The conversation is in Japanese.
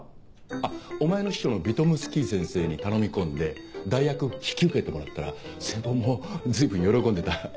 あっお前の師匠のビトムスキー先生に頼み込んで代役引き受けてもらったら先方も随分喜んでた。